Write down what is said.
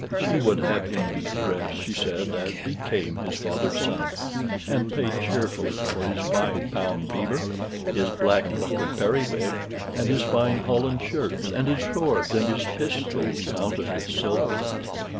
She would have him be dressed, she said, as became his father's son, and paid cheerfully for his five pound beaver, his black buckled periwig, and his fine holland shirts, and his swords, and his pistols, mounted with silver.